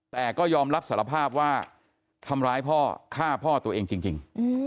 แต่ก็ยอมรับสารภาพว่าทำร้ายพ่อฆ่าพ่อตัวเองจริง